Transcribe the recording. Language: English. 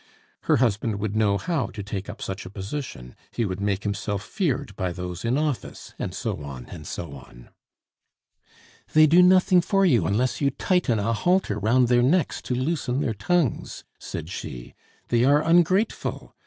Her husband would know how to take up such a position, he would make himself feared by those in office, and so on and so on. "They do nothing for you unless you tighten a halter round their necks to loosen their tongues," said she. "They are ungrateful.